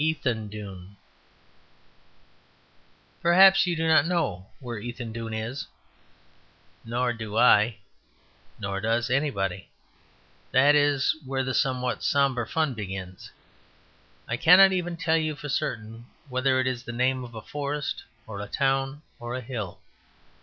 Ethandune Perhaps you do not know where Ethandune is. Nor do I; nor does anybody. That is where the somewhat sombre fun begins. I cannot even tell you for certain whether it is the name of a forest or a town or a hill.